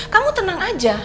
kamu tenang aja